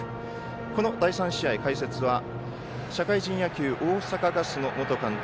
この第３試合解説は社会人野球大阪ガスの元監督